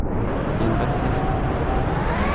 Yenɣa-t yiẓmi.